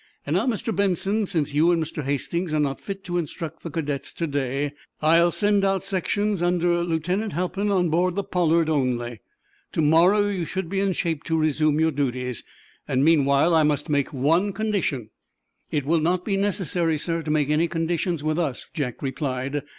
And now, Mr. Benson, since you and Mr. Hastings are not fit to instruct the cadets to day, I'll send out sections under Lieutenant Halpin on board the 'Pollard' only. To morrow you should be in shape to resume your duties. Meanwhile, I must make one condition." "It will not be necessary, sir, to make any conditions with us," Jack replied.